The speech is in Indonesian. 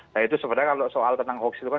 nah itu sebenarnya kalau soal tentang hoax itu kan